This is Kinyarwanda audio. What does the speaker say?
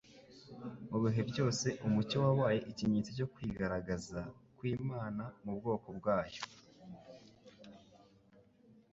Mu bihe byose umucyo wabaye ikimenyetso cyo kwigaragaza' kw'Imana mu bwoko bwayo.